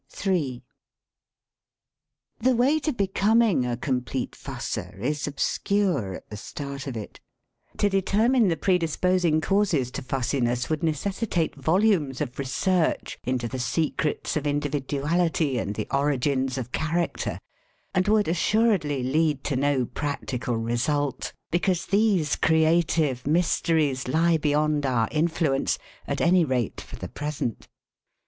m The way to becoming a complete fusser is ob scure at the start of it. To determine the pre disposing causes to fussiness would necessitate volumes of research into the secrets of individual ity and the origins of character — and would as suredly lead to no practical result, because these creative mysteries lie beyond our influence — at any rate for the present.